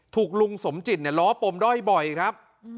ถูกลุงสมจิตล้อปมด้อยบ่อยครับ